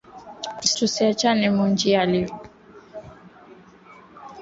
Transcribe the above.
Tusiachane mu njia leo